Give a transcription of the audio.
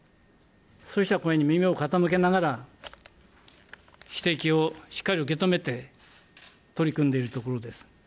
そうした声に耳を傾けながら、指摘をしっかり受け止めて、取り組んでいるところです。